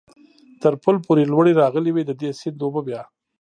تر پل پورې لوړې راغلې وې، د دې سیند اوبه بیا.